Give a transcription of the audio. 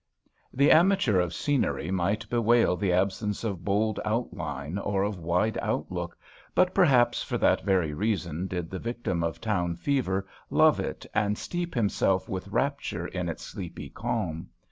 The amateur of scenery might bewail the absence of bold outline or of wide outlook, but perhaps for that very reason did the victim of town fever love it and steep himself with rapture in its sleepy calm.